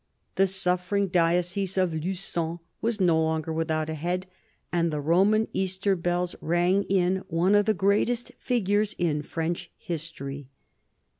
The suffering diocese of Lu^on was no longer without a head, and the Roman Easter bells rang in one of the greatest figures in French history.